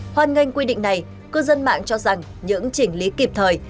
hoàn ngành quy định này cư dân mạng cho rằng những chỉnh lý kịp thời